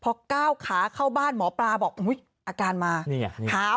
พอก้าวขาเข้าบ้านหมอปลาบอกอาการมา